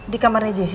di kamarnya jessy